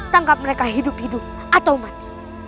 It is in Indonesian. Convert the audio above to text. tangkap mereka hidup hidup atau mati